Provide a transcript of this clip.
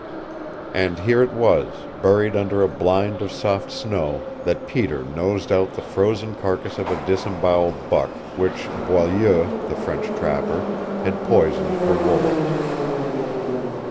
And here it was, buried under a blind of soft snow, that Peter nosed out the frozen carcass of a disemboweled buck which Boileau, the French trapper, had poisoned for wolves.